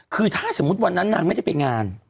คือถ้าสมมุติวันนั้นนางไม่ได้ไปงาน